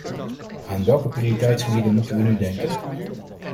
Aan welke prioriteitsgebieden moeten we nu denken?